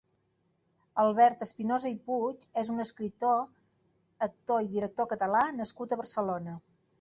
Albert Espinosa i Puig és un escritor, actor i director catalán nascut a Barcelona.